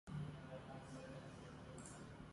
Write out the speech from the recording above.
پێویستە ئەمەش لە هێمن بگێڕمەوە: